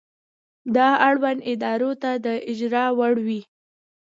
دا اړوندو ادارو ته د اجرا وړ وي.